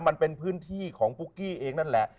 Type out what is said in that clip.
มันเป็นพื้นที่ของปุ๊กกี้เองนั่นแหละ